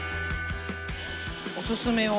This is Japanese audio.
おすすめを。